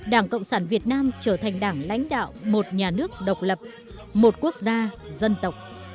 đảng cộng sản việt nam trở thành đảng lãnh đạo một nhà nước độc lập một quốc gia dân tộc